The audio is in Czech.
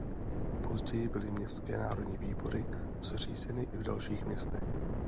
Později byly městské národní výbory zřízeny i v dalších městech.